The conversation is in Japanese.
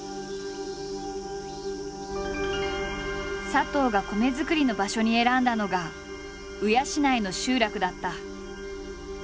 佐藤が米作りの場所に選んだのが鵜養の集落だった。